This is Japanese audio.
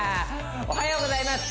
おはようございます